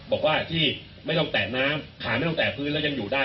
บอกว่าที่ไม่ต้องแตะน้ำขาไม่ต้องแตะพื้นแล้วยังอยู่ได้